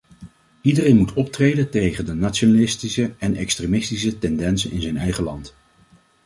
Iedereen moet optreden tegen de nationalistische en extremistische tendensen in zijn eigen land.